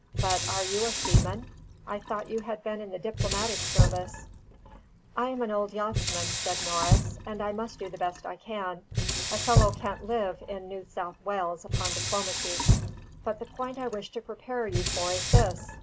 "But are you a seaman? I thought you had been in the diplomatic service." "I am an old yachtsman," said Norris. "And I must do the best I can. A fellow can't live in New South Wales upon diplomacy. But the point I wish to prepare you for is this.